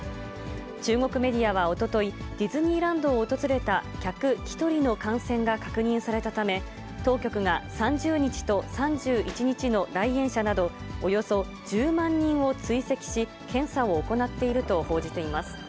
中国メディアはおととい、ディズニーランドを訪れた客１人の感染が確認されたため、当局が３０日と３１日の来園者など、およそ１０万人を追跡し、検査を行っていると報じています。